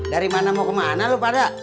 dari mana mau ke mana lo pada